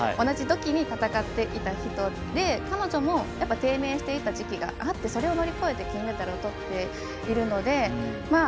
同じときに戦っていた人で彼女も低迷していた時期があってそれを乗り越えて金メダルをとっているので。